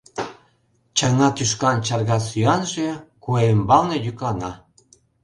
Чаҥа тӱшкан чарга сӱанже Куэ ӱмбалне йӱклана.